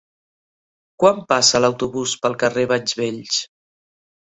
Quan passa l'autobús pel carrer Banys Vells?